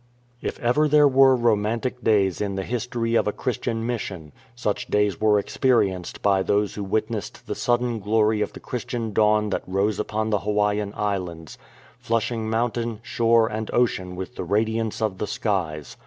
If ever there were romantic days in the history of a Christian mission, such days were experienced by those who witnessed the sudden glory of the Christian dawn that rose upon the Hawaiian Islands, flushing mountain, shore, and ocean with the radiance of the skies.